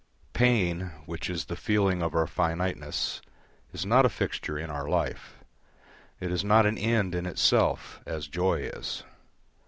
Pain, which is the feeling of our finiteness, is not a fixture in our life. It is not an end in itself, as joy is.